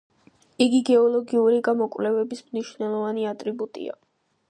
იგი გეოლოგიური გამოკვლევების მნიშვნელოვანი ატრიბუტია.